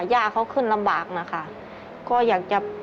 ย่าเขาขึ้นลำบากนะคะก็อยากจะ